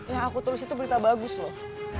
yang aku tulis itu berita bagus loh